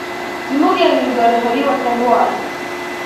زموږ یو ننګرهاري وطنوال